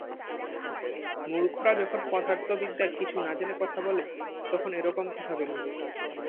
মূর্খরা যখন পদার্থবিদ্যা কিছু না-জেনে কথা বলে, তখন এ-রকম কথা বলে।